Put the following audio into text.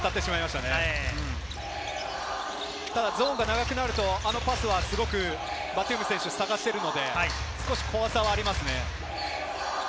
ただゾーンが長くなると、あのパスはバトゥーム選手を探しているので、少し怖さはありますね。